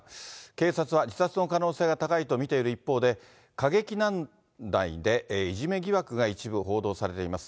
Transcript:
警察は自殺の可能性が高いと見ている一方で、歌劇団内でいじめ疑惑が一部報道されています。